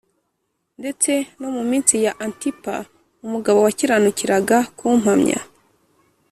ndetse no mu minsi ya Antipa umugabo wakiranukiraga kumpamya,